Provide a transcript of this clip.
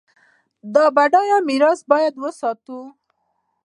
دا بډایه میراث باید وساتو.